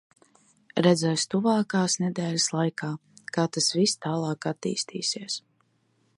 Redzēs tuvākās nedēļas laikā, kā tas viss tālāk attīstīsies.